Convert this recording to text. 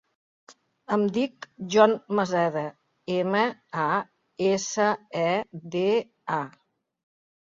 Em dic Jon Maseda: ema, a, essa, e, de, a.